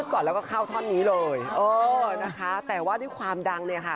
ก่อนแล้วก็เข้าท่อนนี้เลยเออนะคะแต่ว่าด้วยความดังเนี่ยค่ะ